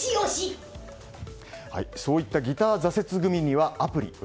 そういったギター挫折組にはアプリ。